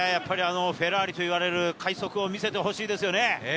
フェラーリと呼ばれる快足を見せてほしいですよね。